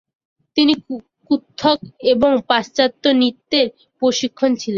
তিনি কত্থক এবং পাশ্চাত্য নৃত্যের প্রশিক্ষণ নিয়েছেন।